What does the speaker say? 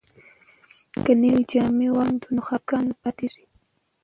که نوې جامې واغوندو نو خپګان نه پاتې کیږي.